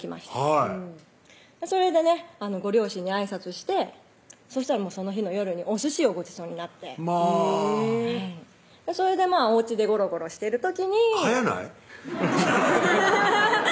はいそれでねご両親に挨拶してそしたらその日の夜におすしをごちそうになってまぁえぇそれでおうちでごろごろしてる時に早ない？